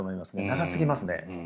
長すぎますね。